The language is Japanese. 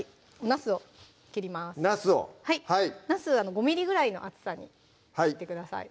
なすをなす５ｍｍぐらいの厚さに切ってください